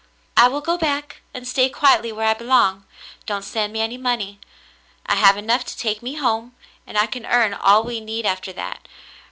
"I will go back and stay quietly where I belong. Don't send me any more money. I have enough to take me home, and I can earn all we need after that.